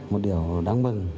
một điều đáng mừng